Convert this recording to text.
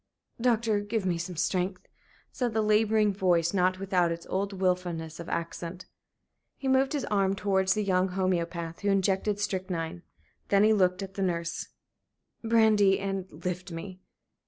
"Doctor, give me some strength," said the laboring voice, not without its old wilfulness of accent. He moved his arm towards the young homoeopath, who injected strychnine. Then he looked at the nurse. "Brandy and lift me."